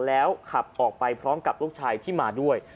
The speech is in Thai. แล้วขับออกไปพร้อมกับลูกชายที่มาด้วย